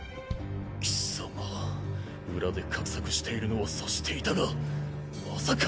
貴様裏で画策しているのは察していたがまさか。